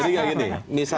pada saat ini di indonesia